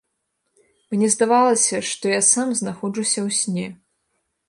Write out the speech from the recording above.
Мне здавалася, што я сам знаходжуся ў сне.